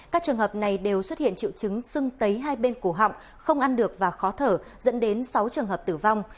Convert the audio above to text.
các trường hợp này đều xuất hiện triệu chứng sưng tấy hai bên cổ họng không ăn được và khó thở dẫn đến sáu trường hợp tử vong